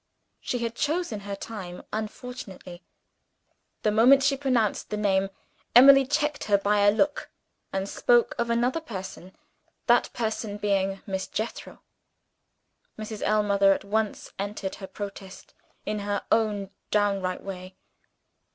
She had chosen her time unfortunately. The moment she pronounced the name, Emily checked her by a look, and spoke of another person that person being Miss Jethro. Mrs. Ellmother at once entered her protest, in her own downright way.